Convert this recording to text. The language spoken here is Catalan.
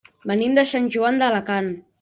Venim de Sant Joan d'Alacant.